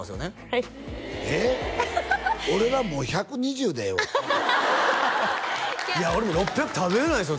はい俺はもう１２０でええわいや俺も６００食べれないですよ